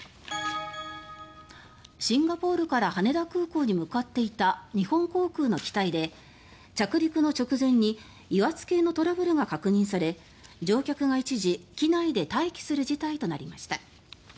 シンガポールから羽田空港に向かっていた日本航空の機体で着陸の直前に油圧系のトラブルが確認され乗客が一時、機内で待機する事態となりました。